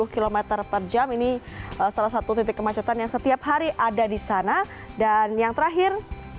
dua puluh km per jam ini salah satu titik kemacetan yang setiap hari ada di sana dan yang terakhir